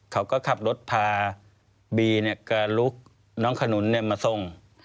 เขาก็ขับรถพาบีกระลุกน้องขนุนมาส่ง